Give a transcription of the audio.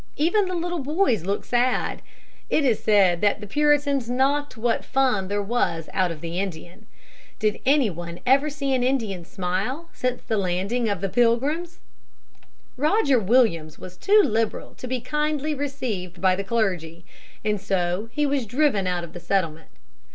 Even the little boys look sad. It is said that the Puritans knocked what fun there was out of the Indian. Did any one ever see an Indian smile since the landing of the Pilgrims? [Illustration: Cold!] [Illustration: Hunger!!] Roger Williams was too liberal to be kindly received by the clergy, and so he was driven out of the settlement.